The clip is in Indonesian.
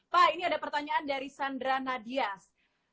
pak ini ada pertanyaan dari sandra nadias